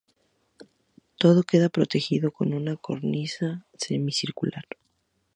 Todo queda protegido por una cornisa semicircular.